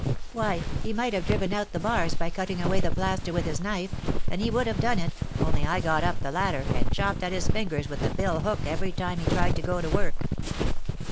"Why, he might have driven out the bars by cutting away the plaster with his knife, and he would have done it, only I got up the ladder, and chopped at his fingers with the bill hook every time he tried to go to work."